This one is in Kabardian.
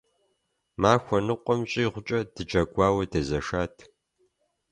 Махуэ ныкъуэм щӏигъукӏэ дыджэгуауэ дезэшат.